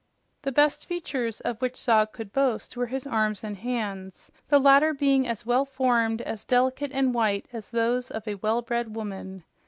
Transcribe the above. The best features of which Zog could boast were his arms and hands, the latter being as well formed, as delicate and white as those of a well bred woman.